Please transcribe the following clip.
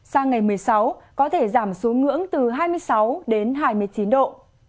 sang ngày một mươi sáu có thể giảm xuống ngưỡng từ hai mươi sáu đến hai mươi chín độ